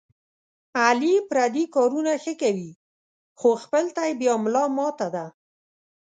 علي پردي کارونه ښه کوي، خو خپل ته یې بیا ملا ماته ده.